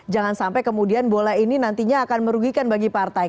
jangan sampai kemudian bola ini nantinya akan merugikan bagi partai